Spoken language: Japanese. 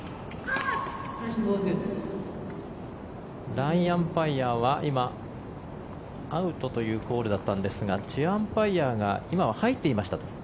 ラインアンパイアは今、アウトというコールだったんですがチェアアンパイアが今は入っていましたと。